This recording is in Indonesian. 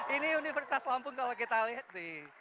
ini universitas lampung kalau kita lihat di